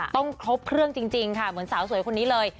ครบเครื่องจริงค่ะเหมือนสาวสวยคนนี้เลย